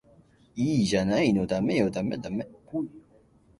いいじゃないのダメよダメダメ